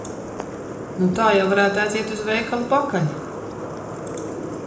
Nu tā jau varētu aiziet uz veikalu pakaļ.